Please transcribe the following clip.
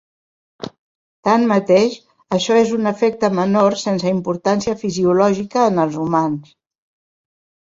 Tanmateix, això és un efecte menor sense importància fisiològica en els humans.